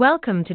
Welcome to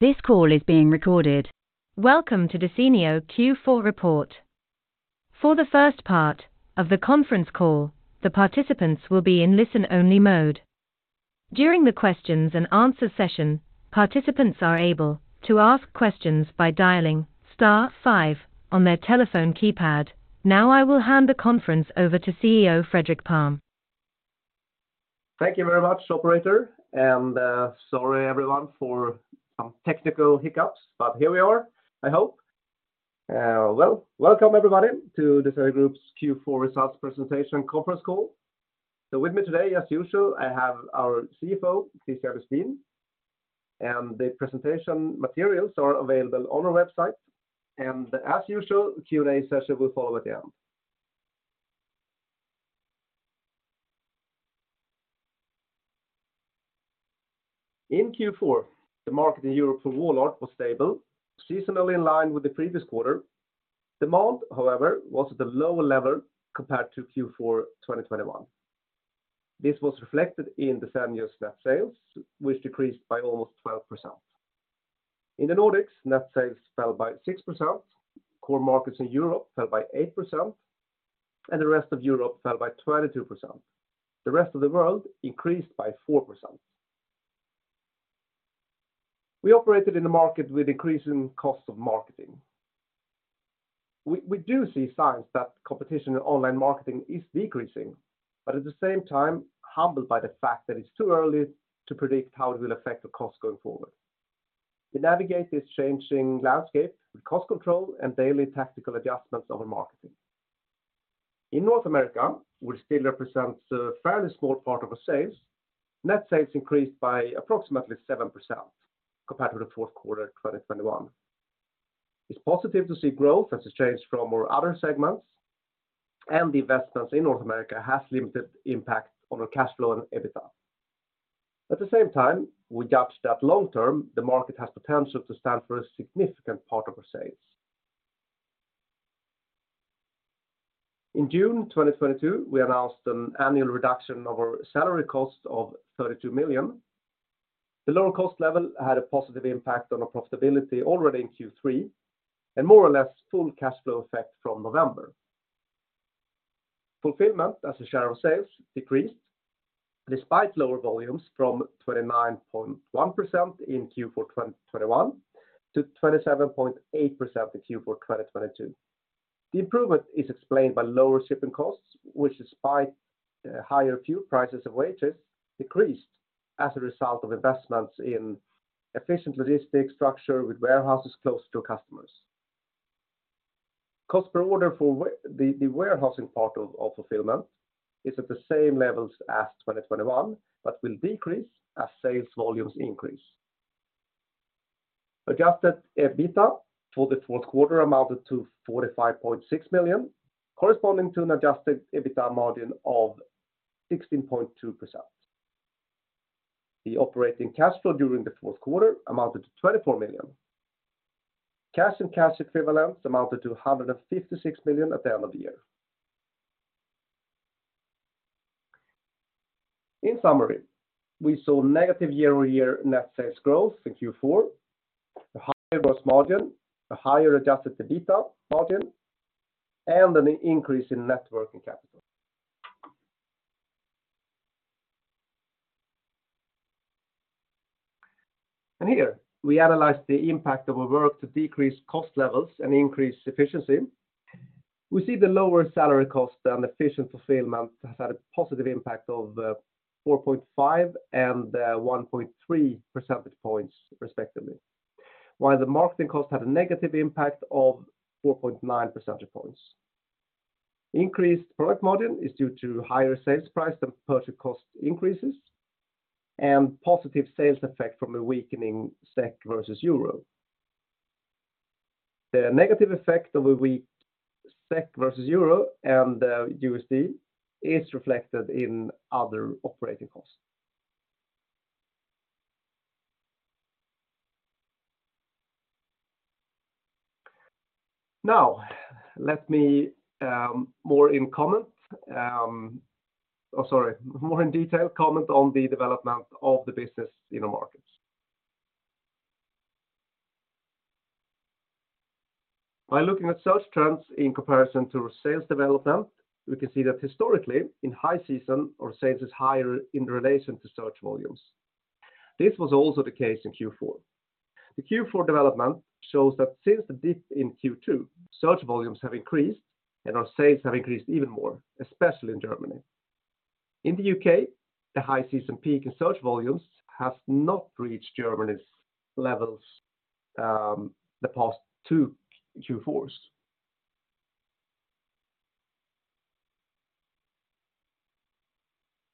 Desenio Q4 Report. For the first part of the conference call, the participants will be in listen only mode. During the questions and answer session, participants are able to ask questions by dialing star five on their telephone keypad. Now I will hand the conference over to CEO Fredrik Palm. This call is being recorded. Thank you very much, operator. And sorry everyone for some technical hiccups, but here we are, I hope. Welcome everybody to Desenio Group's Q4 results presentation conference call. With me today as usual, I have our CFO, Kristian Lustin, and the presentation materials are available on our website. As usual Q&A session will follow at the end. In Q4, the market in Europe for wall art was stable, seasonally in line with the previous quarter. Demand, however, was at a lower level compared to Q4 2021. This was reflected in Desenio's net sales, which decreased by almost 12%. In the Nordics, net sales fell by 6%. Core markets in Europe fell by 8%, and the rest of Europe fell by 22%. The rest of the world increased by 4%. We operated in a market with increasing costs of marketing. We do see signs that competition in online marketing is decreasing. At the same time humbled by the fact that it's too early to predict how it will affect the cost going forward. We navigate this changing landscape with cost control and daily tactical adjustments of our marketing. In North America, which still represents a fairly small part of our sales, net sales increased by approximately 7% compared to the fourth quarter 2021. It's positive to see growth as a change from our other segments. The investments in North America has limited impact on our cash flow and EBITDA. At the same time, we judge that long term the market has potential to stand for a significant part of our sales. In June 2022, we announced an annual reduction of our salary cost of 32 million. The lower cost level had a positive impact on our profitability already in Q3. More or less full cash flow effect from November. Fulfillment as a share of sales decreased despite lower volumes from 29.1% in Q4 2021 to 27.8% in Q4 2022. The improvement is explained by lower shipping costs, which despite higher fuel prices and wages decreased as a result of investments in efficient logistics structure with warehouses close to our customers. Cost per order for the warehousing part of fulfillment is at the same levels as 2021, but will decrease as sales volumes increase. Adjusted EBITDA for the fourth quarter amounted to 45.6 million, corresponding to an adjusted EBITDA margin of 16.2%. The operating cash flow during the fourth quarter amounted to 24 million. Cash and cash equivalents amounted to 156 million at the end of the year. In summary, we saw negative year-over-year net sales growth in Q4, a higher gross margin, a higher adjusted EBITDA margin, and an increase in net working capital. Here we analyze the impact of our work to decrease cost levels and increase efficiency. We see the lower salary cost and efficient fulfillment has had a positive impact of 4.5 and 1.3 percentage points respectively. While the marketing cost had a negative impact of 4.9 percentage points. Increased product margin is due to higher sales price than purchase cost increases and positive sales effect from the weakening SEK versus Euro. The negative effect of a weak SEK versus Euro and USD is reflected in other operating costs. Now, let me more in comment. Sorry, more in-detail comment on the development of the business in our markets. By looking at search trends in comparison to sales development, we can see that historically, in high season, our sales is higher in relation to search volumes. This was also the case in Q4. The Q4 development shows that since the dip in Q2, search volumes have increased and our sales have increased even more, especially in Germany. In the U.K., the high season peak in search volumes has not reached Germany's levels, the past two Q4s.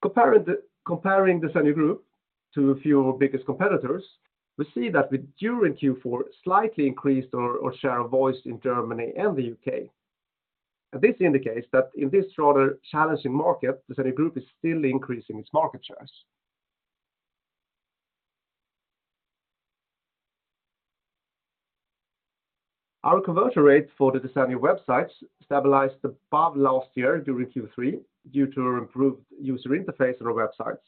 Comparing the Desenio Group to a few of our biggest competitors, we see that during Q4, slightly increased our share of voice in Germany and the U.K. This indicates that in this rather challenging market, the Desenio Group is still increasing its market shares. Our conversion rate for the Desenio websites stabilized above last year during Q3 due to improved user interface on our websites.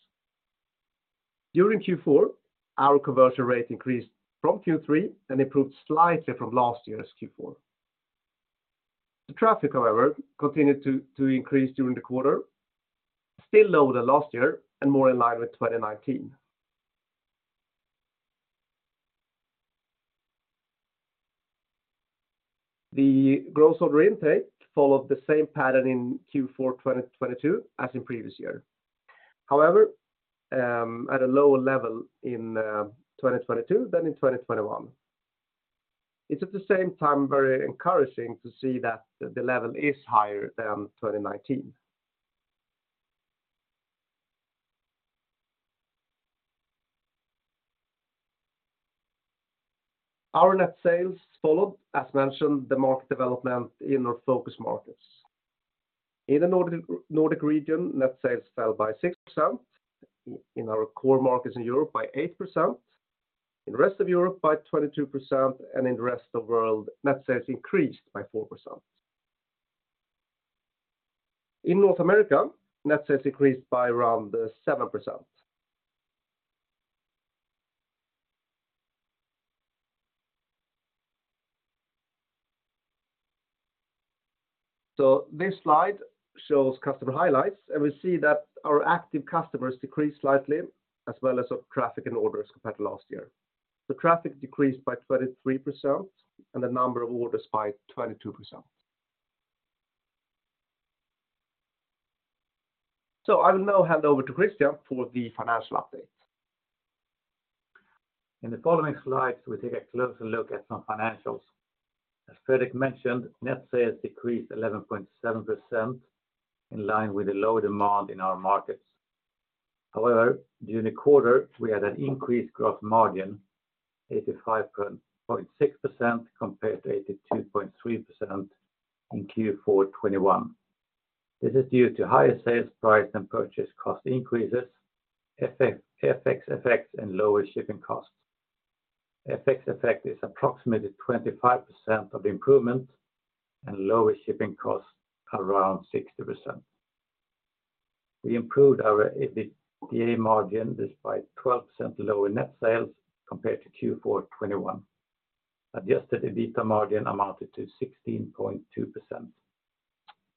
During Q4, our conversion rate increased from Q3 and improved slightly from last year's Q4. The traffic, however, continued to increase during the quarter, still lower than last year and more in line with 2019. The gross order intake followed the same pattern in Q4 2022 as in previous year. At a lower level in 2022 than in 2021. It's at the same time very encouraging to see that the level is higher than 2019. Our net sales followed, as mentioned, the market development in our focus markets. In the Nordic region, net sales fell by 6%, in our core markets in Europe by 8%, in rest of Europe by 22%, and in rest of world, net sales increased by 4%. In North America, net sales increased by around 7%. This slide shows customer highlights, and we see that our active customers decreased slightly, as well as our traffic and orders compared to last year. The traffic decreased by 23% and the number of orders by 22%. I will now hand over to Kristian for the financial update. In the following slides, we take a closer look at some financials. As Fredrik mentioned, net sales decreased 11.7% in line with the lower demand in our markets. However, during the quarter, we had an increased gross margin, 85.6% compared to 82.3% in Q4 2021. This is due to higher sales price and purchase cost increases, FX effects, and lower shipping costs. FX effect is approximately 25% of the improvement and lower shipping costs around 60%. We improved our EBITDA margin despite 12% lower net sales compared to Q4 2021. Adjusted EBITDA margin amounted to 16.2%.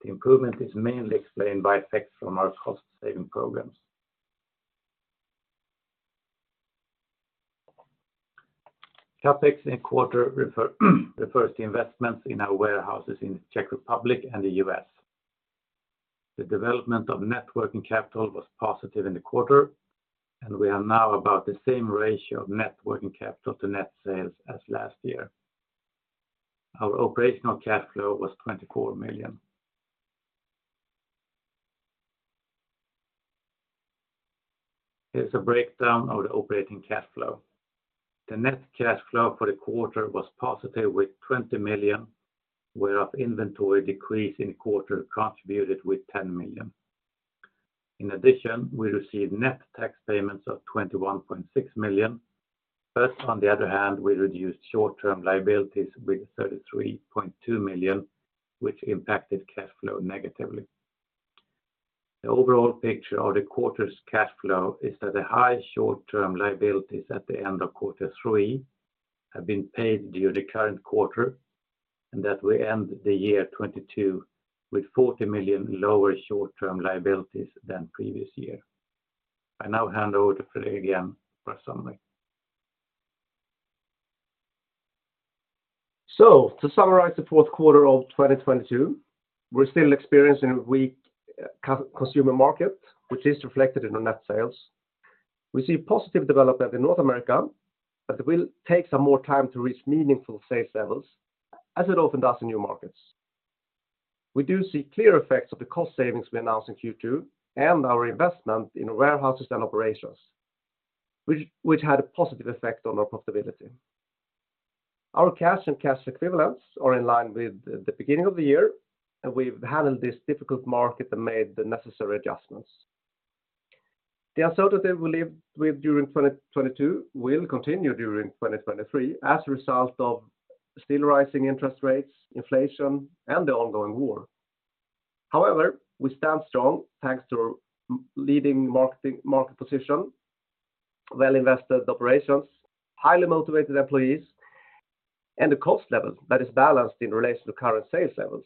The improvement is mainly explained by effects from our cost-saving programs. CapEx in quarter refers to investments in our warehouses in Czech Republic and the U.S. The development of net working capital was positive in the quarter, and we are now about the same ratio of net working capital to net sales as last year. Our operational cash flow was 24 million. Here's a breakdown of the operating cash flow. The net cash flow for the quarter was positive with 20 million, where our inventory decrease in quarter contributed with 10 million. In addition, we received net tax payments of 21.6 million. On the other hand, we reduced short-term liabilities with 33.2 million, which impacted cash flow negatively. The overall picture of the quarter's cash flow is that the high short-term liabilities at the end of quarter 3 have been paid during the current quarter, and that we end the year 2022 with 40 million lower short-term liabilities than previous year. I now hand over to Fredrik again for summary. To summarize the fourth quarter of 2022, we're still experiencing a weak consumer market, which is reflected in our net sales. We see positive development in North America that will take some more time to reach meaningful sales levels, as it often does in new markets. We do see clear effects of the cost savings we announced in Q2 and our investment in warehouses and operations, which had a positive effect on our profitability. Our cash and cash equivalents are in line with the beginning of the year, and we've handled this difficult market and made the necessary adjustments. The uncertainty we lived with during 2022 will continue during 2023 as a result of still rising interest rates, inflation, and the ongoing war. We stand strong thanks to leading market position, well-invested operations, highly motivated employees, and the cost level that is balanced in relation to current sales levels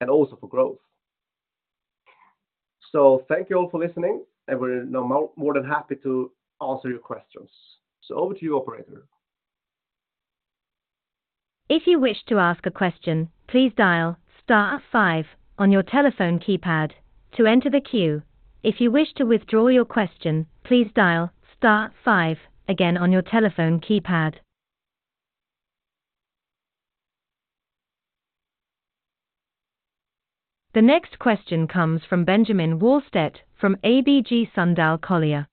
and also for growth. Thank you all for listening, and we're more than happy to answer your questions. Over to you, operator. If you wish to ask a question, please dial star five on your telephone keypad to enter the queue. If you wish to withdraw your question, please dial star five again on your telephone keypad. The next question comes from Benjamin Wahlstedt from ABG Sundal Collier.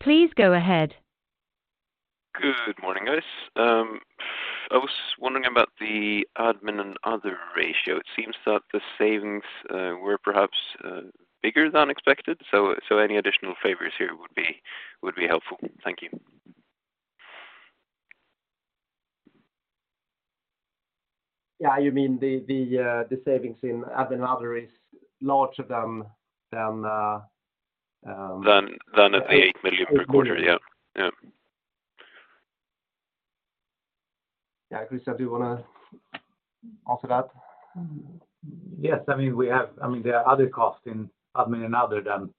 Please go ahead. Good morning, guys. I was wondering about the admin and other ratio. It seems that the savings were perhaps bigger than expected. Any additional favors here would be helpful. Thank you. Yeah. You mean the savings in admin and other is larger than. Than 8 million per quarter. Yeah. Yeah. Kristian, do you wanna answer that? Yes. I mean, I mean, there are other costs in admin and other than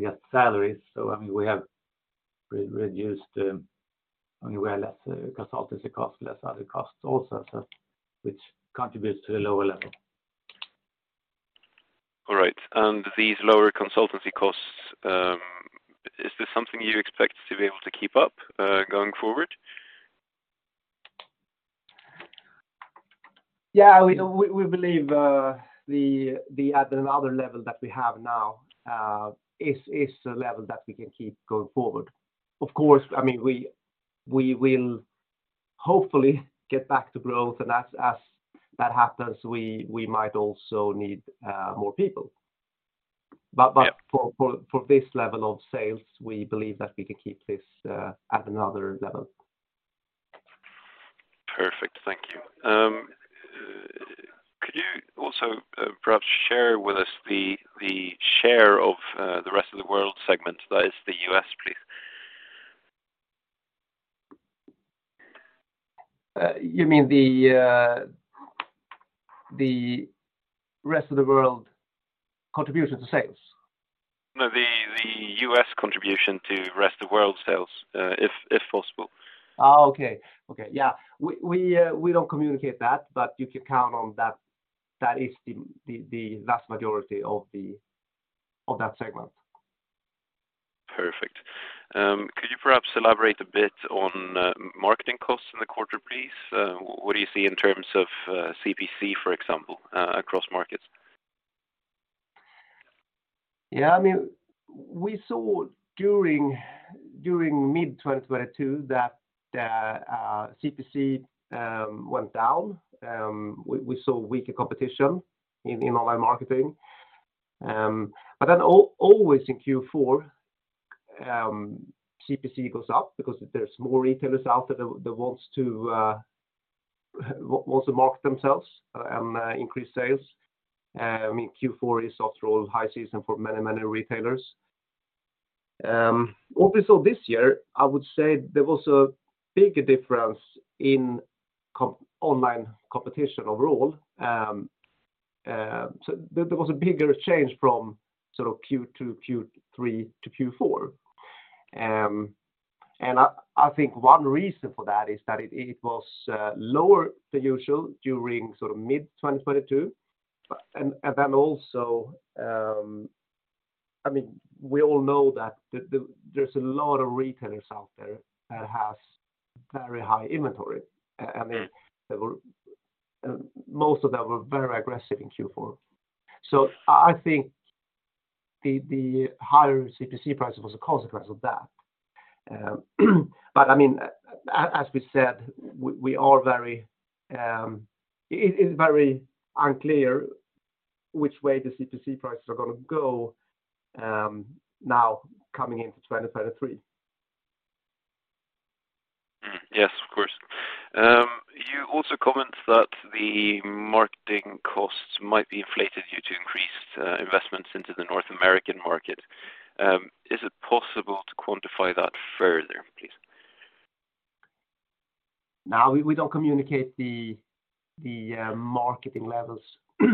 just salaries. I mean, we have re-reduced, we had less consultancy costs, less other costs also, so which contributes to a lower level. All right. These lower consultancy costs, is this something you expect to be able to keep up going forward? Yeah. We believe the admin and other level that we have now is a level that we can keep going forward. Of course, I mean, we will hopefully get back to growth, and as that happens, we might also need more people. Yeah. For this level of sales, we believe that we can keep this admin and other level. Perfect. Thank you. Could you also, perhaps share with us the share of the rest of the world segment, that is the U.S., please? You mean the rest of the world contribution to sales? No, the U.S. contribution to rest of world sales, if possible. Oh, okay. Okay. Yeah. We don't communicate that, but you can count on that. That is the vast majority of that segment. Perfect. Could you perhaps elaborate a bit on marketing costs in the quarter, please? What do you see in terms of CPC, for example, across markets? Yeah. I mean, we saw during mid-2022 that the CPC went down. We saw weaker competition in online marketing. Always in Q4, CPC goes up because there's more retailers out there that wants to market themselves and increase sales. I mean, Q4 is after all high season for many retailers. What we saw this year, I would say there was a bigger difference in online competition overall. There was a bigger change from sort of Q2, Q3 to Q4. I think one reason for that is that it was lower than usual during sort of mid-2022. ...Also, I mean, we all know that the... ...there's a lot of retailers out there that has very high inventory. I mean, most of them were very aggressive in Q4. I think the higher CPC price was a consequence of that. I mean, as we said, we are very... It is very unclear which way the CPC prices are gonna go, now coming into 2023. Yes, of course. You also comment that the marketing costs might be inflated due to increased investments into the North American market. Is it possible to quantify that further, please? No, we don't communicate the marketing levels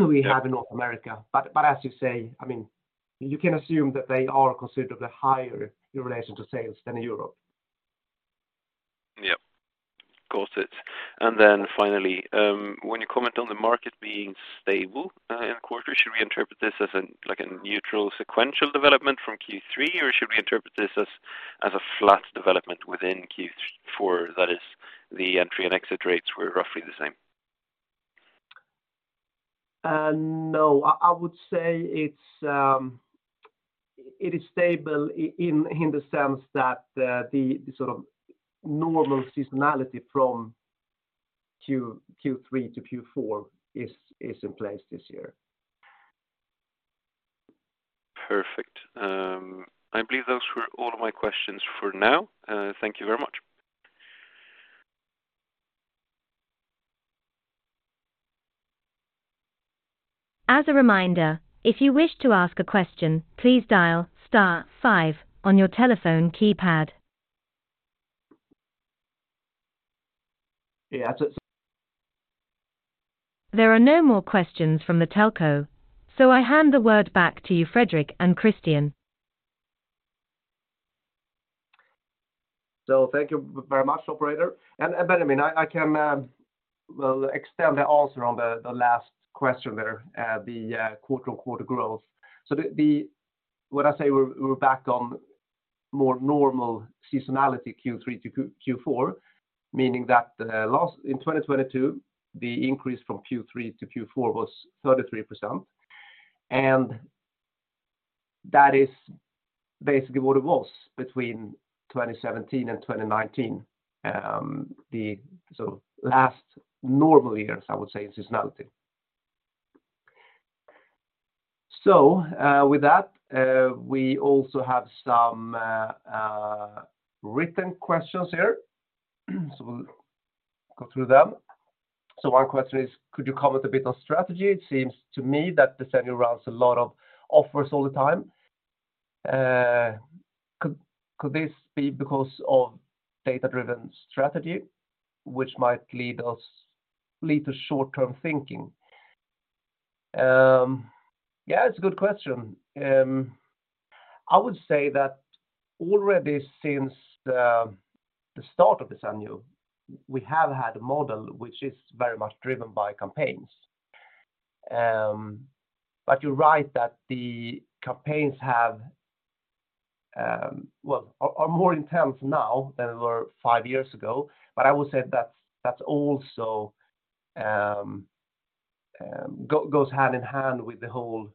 we have in North America. As you say, I mean, you can assume that they are considerably higher in relation to sales than in Europe. Yeah, got it. Then finally, when you comment on the market being stable, in quarter, should we interpret this as a neutral sequential development from Q3, or should we interpret this as a flat development within Q4? That is, the entry and exit rates were roughly the same. No. I would say it is stable in the sense that, the sort of normal seasonality from Q3 to Q4 is in place this year. Perfect. I believe those were all of my questions for now. Thank you very much. As a reminder, if you wish to ask a question, please dial star five on your telephone keypad. Yeah. That's it. There are no more questions from the telco, so I hand the word back to you, Fredrik and Kristian. Thank you very much, operator. Benjamin, I can, well, extend the answer on the last question there, the quarter-on-quarter growth. When I say we're back on more normal seasonality Q3 to Q4, meaning that, in 2022, the increase from Q3 to Q4 was 33%, and that is basically what it was between 2017 and 2019, last normal years, I would say, in seasonality. With that, we also have some written questions here, so we'll go through them. One question is, could you comment a bit on strategy? It seems to me that Desenio runs a lot of offers all the time. Could this be because of data-driven strategy which might lead to short-term thinking? Yeah, it's a good question. I would say that already since the start of Desenio, we have had a model which is very much driven by campaigns. But you're right that the campaigns have, well, are more intense now than they were five years ago. I would say that's also goes hand in hand with the whole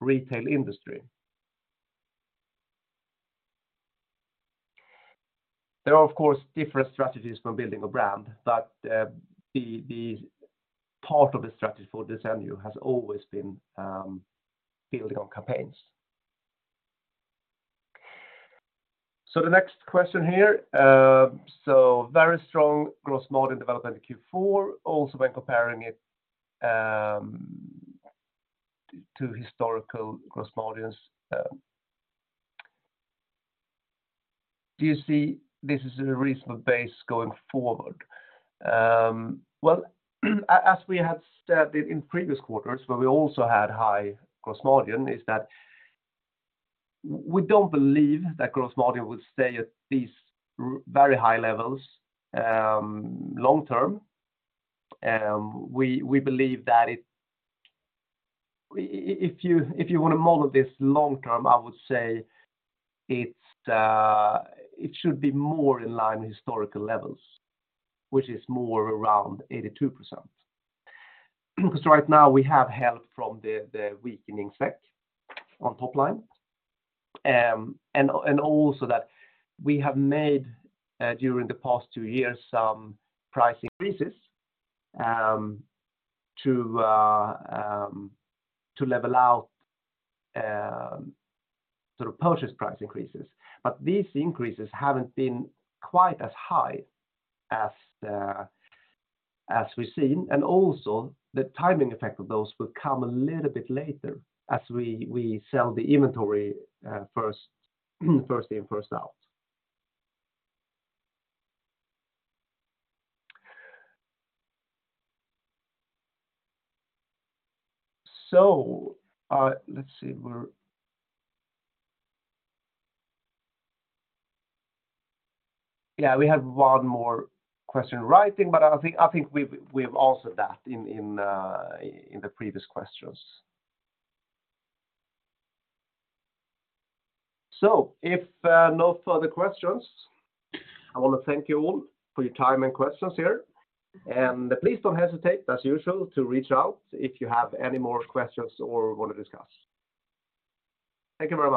retail industry. There are, of course, different strategies for building a brand, but the part of the strategy for Desenio has always been building on campaigns. The next question here, very strong gross margin development in Q4, also when comparing it to historical gross margins. Do you see this as a reasonable base going forward? Well, as we have stated in previous quarters where we also had high gross margin, is that we don't believe that gross margin will stay at these very high levels long term. We believe that if you, if you want to model this long term, I would say it should be more in line with historical levels, which is more around 82%. Right now we have help from the weakening SEK on top line. Also that we have made during the past two years, some price increases to level out sort of purchase price increases. These increases haven't been quite as high as we've seen. Also the timing effect of those will come a little bit later as we sell the inventory, first in, first out. Let's see. Yeah, we have one more question in writing, but I think we've answered that in the previous questions. If no further questions, I wanna thank you all for your time and questions here, and please don't hesitate, as usual, to reach out if you have any more questions or wanna discuss. Thank you very much.